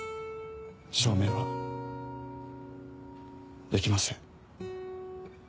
証明はできません。